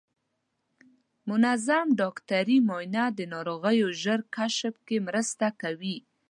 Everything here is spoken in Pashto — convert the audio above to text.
منظم ډاکټري معاینه د ناروغیو ژر کشف کې مرسته کوي.